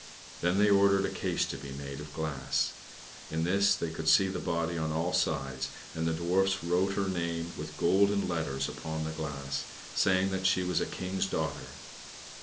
Then they ordered a case to be made of glass. In this they could see the body on all sides, and the Dwarfs wrote her name with golden letters upon the glass, saying that she was a King's daughter.